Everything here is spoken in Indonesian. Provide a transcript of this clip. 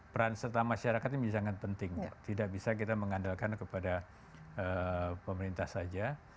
peran serta masyarakat ini menjadi sangat penting tidak bisa kita mengandalkan kepada pemerintah saja